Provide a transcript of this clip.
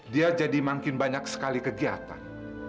dia jadi makin banyak sekali kegiatan